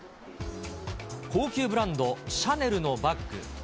高級ブランド、シャネルのバッグ。